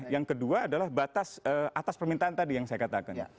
yang kedua adalah batas atas permintaan tadi yang saya katakan